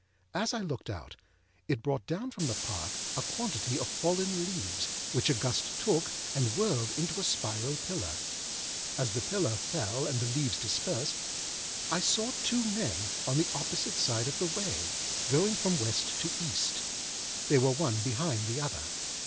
As I looked out, it brought down from the Park a quantity of fallen leaves, which a gust took, and whirled into a spiral pillar. As the pillar fell and the leaves dispersed, I saw two men on the opposite side of the way, going from West to East. They were one behind the other.